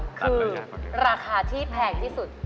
คือราคาที่แพงที่สุด